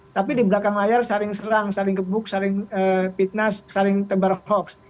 tapi di belakang layar saling serang saling gebuk saling fitnah saling tebar hoax